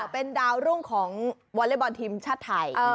เป็นดาวรุ่งของวอเล็กบอลทีมชาติไทย